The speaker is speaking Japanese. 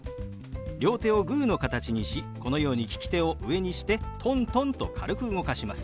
両手をグーの形にしこのように利き手を上にしてトントンと軽く動かします。